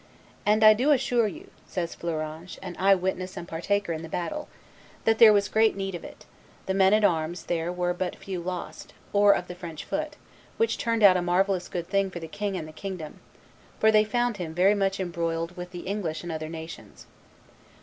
"And I do assure you," says Fleuranges, an eye witness and partaker in the battle, "that there was great need of it; of the men at arms there were but few lost, or of the French foot; which turned out a marvellous good thing for the king and the kingdom, for they found him very much embroiled with the English and other nations."